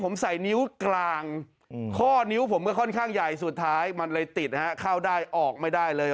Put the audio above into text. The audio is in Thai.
มันเลยติดฮะเข้าได้ออกไม่ได้เลย